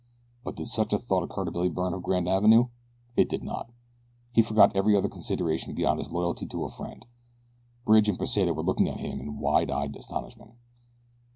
But did such a thought occur to Billy Byrne of Grand Avenue? It did not. He forgot every other consideration beyond his loyalty to a friend. Bridge and Pesita were looking at him in wide eyed astonishment.